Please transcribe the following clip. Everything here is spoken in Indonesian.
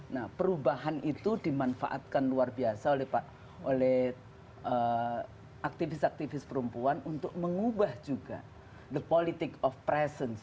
nah perubahan itu dimanfaatkan luar biasa oleh aktivis aktivis perempuan untuk mengubah juga the politic of presence